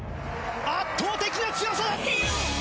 圧倒的な強さ！